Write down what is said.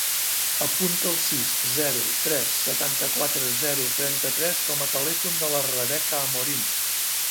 Apunta el sis, zero, tres, setanta-quatre, zero, trenta-tres com a telèfon de la Rebeca Amorin.